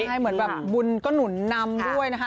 ใช่เหมือนแบบบุญก็หนุนนำด้วยนะคะ